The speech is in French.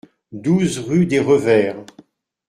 douze rue des Revers